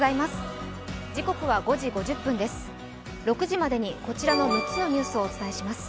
６時までにこちらの６つのニュースをお伝えします。